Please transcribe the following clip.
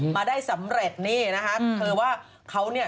มาได้สำเร็จนี่นะคะเธอว่าเขาเนี่ย